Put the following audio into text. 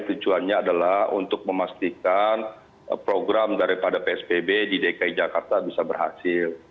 tujuannya adalah untuk memastikan program daripada psbb di dki jakarta bisa berhasil